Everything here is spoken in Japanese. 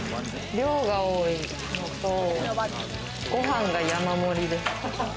量が多いのと、ご飯が山盛りです。